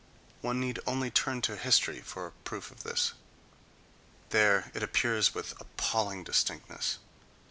One need only turn to history for a proof of this: there it appears with appalling distinctness.